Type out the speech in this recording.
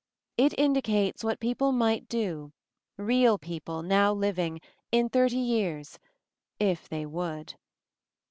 It indicates what people might do, real people, now living, in thirty years — if they would.